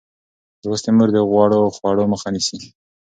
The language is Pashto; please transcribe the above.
لوستې مور د غوړو خوړو مخه نیسي.